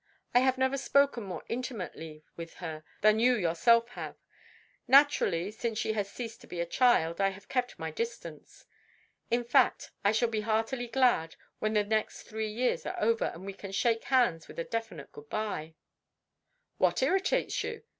I have never spoken more intimately with her than you yourself have. Naturally, since she has ceased to be a child, I have kept my distance. In fact, I shall be heartily glad when the next three years are over, and we can shake hands with a definite good bye." "What irritates you?"